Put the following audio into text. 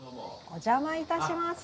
お邪魔いたします。